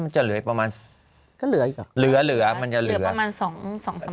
มันจะเหลือประมาณก็เหลืออีกหรอเหลือเหลือมันจะเหลือเหลือประมาณสองสาม